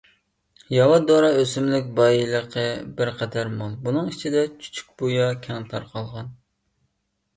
ياۋا دورا ئۆسۈملۈك بايلىقى بىرقەدەر مول، بۇنىڭ ئىچىدە چۈچۈكبۇيا كەڭ تارقالغان.